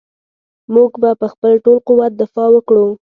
موږ به په خپل ټول قوت دفاع وکړو.